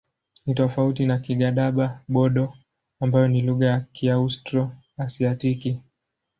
Ni tofauti na Kigadaba-Bodo ambayo ni lugha ya Kiaustro-Asiatiki.